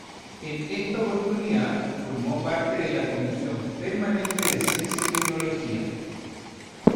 En esta oportunidad, formó parte de la comisión permanente de Ciencia y Tecnología.